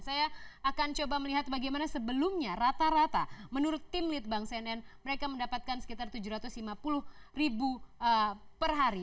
saya akan coba melihat bagaimana sebelumnya rata rata menurut tim lead bank cnn mereka mendapatkan sekitar tujuh ratus lima puluh ribu per hari